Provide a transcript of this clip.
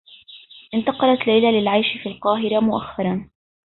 انتقلت ليلى للعيش في القاهرة مؤخّرا.